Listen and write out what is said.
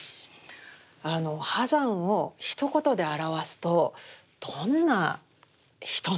波山をひと言で表すとどんな人なんでしょうか？